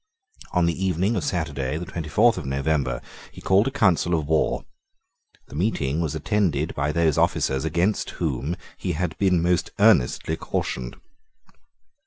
On the evening of Saturday, the twenty fourth of November, he called a council of war. The meeting was attended by those officers against whom he had been most earnestly cautioned.